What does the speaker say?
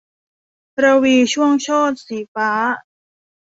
รวีช่วงโชติ - สีฟ้า